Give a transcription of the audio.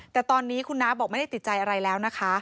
แต่ตอนนี้คุณน้าบอกไม่ได้ติดใจอะไรแล้วนะคะ